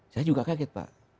saya juga kaget pak